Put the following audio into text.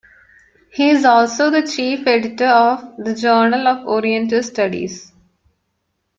He is also the Chief Editor of the "Journal of Oriental Studies".